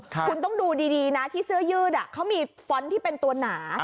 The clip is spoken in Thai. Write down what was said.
คุณต้องดูดีนะที่เสื้อยืดเขามีฟ้อนต์ที่เป็นตัวหนา